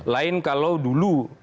lain kalau dulu